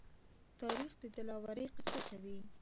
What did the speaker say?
تاریخ د دلاورۍ قصه کوي.